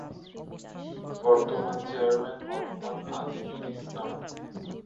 বর্তমান চেয়ারম্যান মোহাম্মদ আজিজুল ইসলাম।